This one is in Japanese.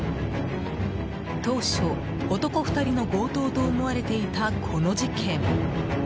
当初、男２人の強盗と思われていたこの事件。